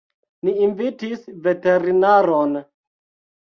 Ni invitis veterinaron.